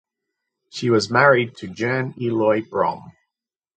She was married to Jan Eloy Brom.